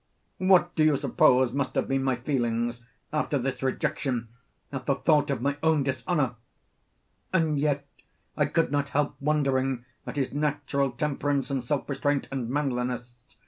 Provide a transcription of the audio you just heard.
What do you suppose must have been my feelings, after this rejection, at the thought of my own dishonour? And yet I could not help wondering at his natural temperance and self restraint and manliness.